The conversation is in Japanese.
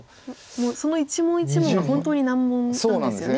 もうその１問１問が本当に難問なんですよねきっと。